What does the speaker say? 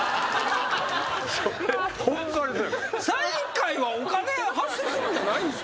サイン会はお金発生するんじゃないんですか？